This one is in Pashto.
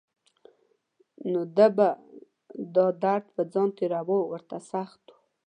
نو ده به دا درد په ځان تېراوه ورته سخت و.